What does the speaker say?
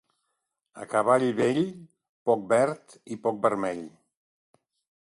A cavall vell, poc verd i poc vermell.